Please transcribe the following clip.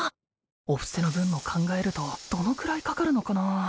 お布施の分も考えるとどのくらいかかるのかな？